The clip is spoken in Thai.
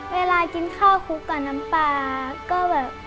เวลากินข้าวคลุกกับน้ำปลาก็แบบ